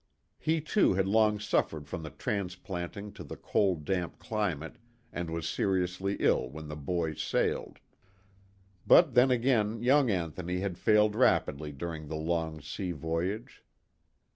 He 130 THE TWO WILLS. too had long suffered from the transplanting to the cold damp climate and was seriously ill when the boy sailed. But then again young Anthony had failed rapidly during the long sea voyage.